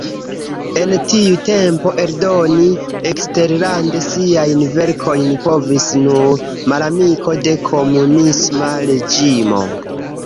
En tiu tempo eldoni eksterlande siajn verkojn povis nur "malamiko de komunisma reĝimo".